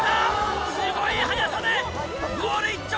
スゴい速さでゴール一直線！